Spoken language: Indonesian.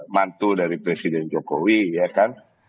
mantu dari presiden jokowi ya kan